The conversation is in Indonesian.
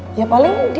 nggak maksud gue